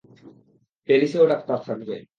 প্যারিসেও doctor থাকবে।